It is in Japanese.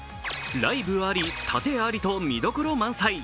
ライブあり、たてありと見どころ満載。